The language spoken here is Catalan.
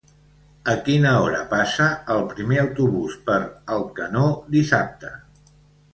A quina hora passa el primer autobús per Alcanó dissabte?